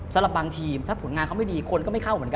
สำหรับบางทีมถ้าผลงานเขาไม่ดีคนก็ไม่เข้าเหมือนกัน